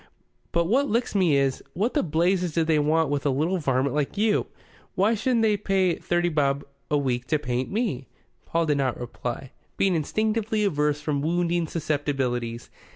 But what licks me is: what the blazes do they want with a little varmint like you? Why shouldn't they pay thirty bob a week to paint me?" Paul did not reply, being instinctively averse from wounding susceptibilities.